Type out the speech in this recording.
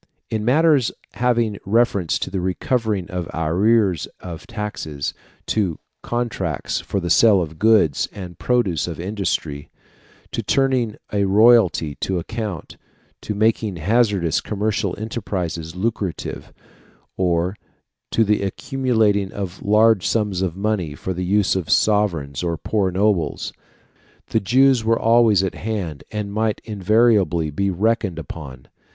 In matters having reference to the recovering of arrears of taxes, to contracts for the sale of goods and produce of industry, to turning a royalty to account, to making hazardous commercial enterprises lucrative, or to the accumulating of large sums of money for the use of sovereigns or poor nobles, the Jews were always at hand, and might invariably be reckoned upon.